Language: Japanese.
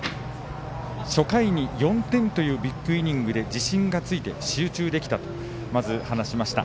初回に４点というビッグイニングで自信がついて、集中できたとまず話しました。